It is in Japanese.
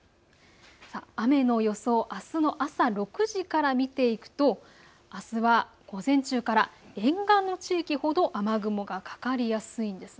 雨の予想、あすの朝６時から見ていくとあすは午前中から沿岸の地域ほど雨雲がかかりやすいんです。